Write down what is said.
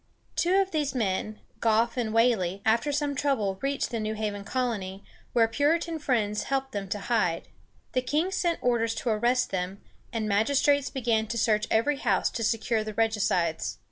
Two of these men, Goffe and Whal´ley, after some trouble, reached the New Haven colony, where Puritan friends helped them to hide. The king sent orders to arrest them, and magistrates began to search every house to secure the regicides.